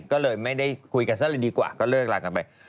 ก็เลยไม่ได้คุยกันซะเลยดีกว่าก็เลิกลากันไป